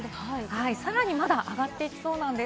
さらにまだ上がっていきそうです。